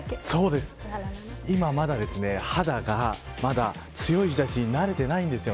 今、まだ肌が強い日差しに慣れていないんです。